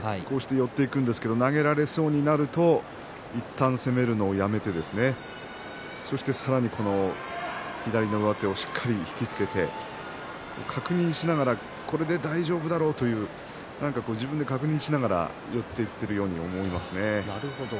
寄っていくんですが投げられそうになるといったん攻めるのをやめてさらに左の上手をしっかり引き付けて確認しながらこれで大丈夫だろうという自分で確認しながら寄っていっているように見えますね。